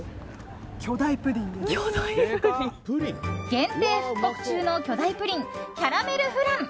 限定復刻中の巨大プリンキャラメルフラン。